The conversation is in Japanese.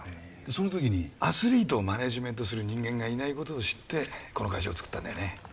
その時にアスリートをマネージメントする人間がいないことを知ってこの会社をつくったんだよね